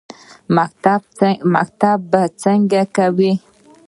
_مکتب به څنګه کوې؟